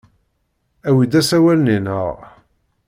Awi-d asawal-nni, naɣ?